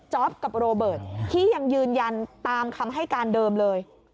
กับโรเบิร์ตที่ยังยืนยันตามคำให้การเดิมเลย